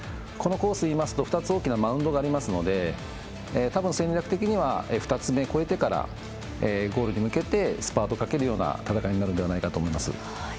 このコースで言いますと２つ大きなマウンドがありますので、たぶん戦略的には２つ目越えてからゴールに向けてスパートかけるような戦いになるんではないかと思います。